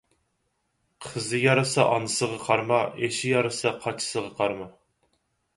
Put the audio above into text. قىزى يارىسا ئانىسىغا قارىما، ئېشى يارىسا قاچىسىغا قارىما.